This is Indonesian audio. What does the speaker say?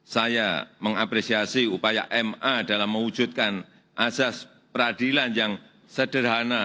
saya mengapresiasi upaya ma dalam mewujudkan azas peradilan yang sederhana